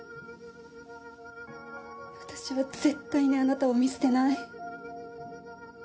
私は絶対にあなたを見捨てない。